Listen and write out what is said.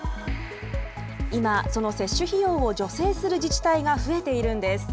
今、その接種費用を助成する自治体が増えているんです。